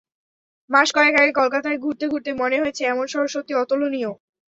মাস কয়েক আগে কলকাতায় ঘুরতে ঘুরতে মনে হয়েছে, এমন শহর সত্যি অতুলনীয়।